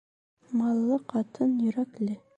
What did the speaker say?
Маллы ҡатын йөрәкле.